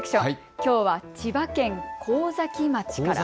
きょうは千葉県神崎町から。